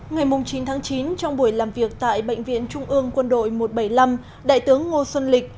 ngày chín tháng chín trong buổi làm việc tại bệnh viện trung ương quân đội một trăm bảy mươi năm đại tướng ngô xuân lịch